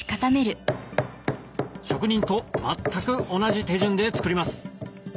職人と全く同じ手順で作ります